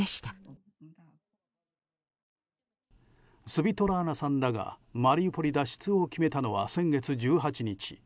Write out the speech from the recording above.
スヴィトラーナさんらがマリウポリ脱出を決めたのは先月１８日。